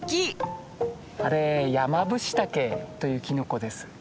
あれヤマブシタケというキノコです。